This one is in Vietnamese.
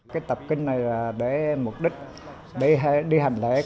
cái tập kinh này là để mục đích để đi hành lễ